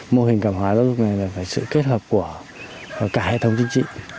mô hình cảm hóa lúc này là sự kết hợp của cả hệ thống chính trị